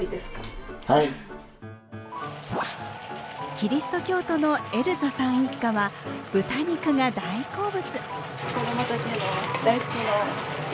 キリスト教徒のエルザさん一家は豚肉が大好物。